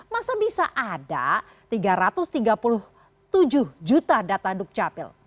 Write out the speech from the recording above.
masa bisa ada tiga ratus tiga puluh tujuh juta data dukcapil